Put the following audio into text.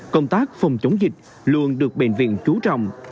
công tác phòng chống dịch luôn được bệnh viện chú trọng